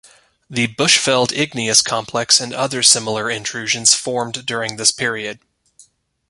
The Bushveld Igneous Complex and other similar intrusions formed during this period.